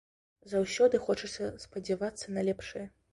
Заўсёды хочацца спадзявацца на лепшае.